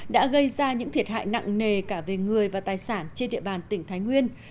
đã gây ra những thiệt hại nặng nề cả về người và tài sản trên địa bàn tỉnh thái nguyên